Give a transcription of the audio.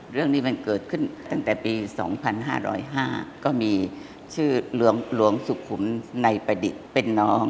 เรื่องนี้มันเกิดขึ้นตั้งแต่ปี๒๕๐๕ก็มีชื่อหลวงสุขุมในประดิษฐ์เป็นน้อง